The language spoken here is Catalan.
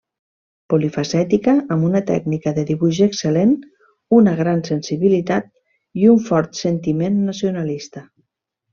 Polifacètica, amb una tècnica de dibuix excel·lent, una gran sensibilitat i un fort sentiment nacionalista.